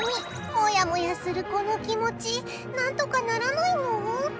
モヤモヤするこの気持ちなんとかならないの？